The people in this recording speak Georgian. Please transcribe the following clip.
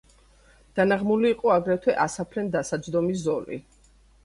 დანაღმული იყო აგრეთვე ასაფრენ-დასაჯდომი ზოლი.